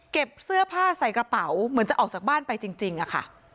เสื้อผ้าใส่กระเป๋าเหมือนจะออกจากบ้านไปจริงอะค่ะ